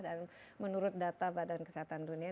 dan menurut data badan kesehatan dunia